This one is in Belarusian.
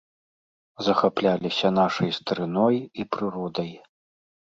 Захапляліся нашай старыной і прыродай.